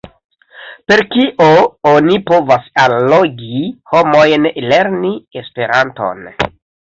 Per kio oni povas allogi homojn lerni Esperanton?